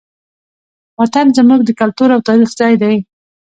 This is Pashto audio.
وطن زموږ د کلتور او تاریخ ځای دی.